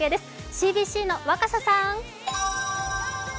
ＣＢＣの若狭さん。